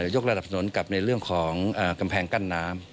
ยกระดับสนุนกับในเรื่องของกำแพงกั้นน้ำ